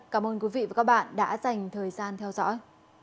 cảm ơn quý vị và các bạn đã dành thời gian theo dõi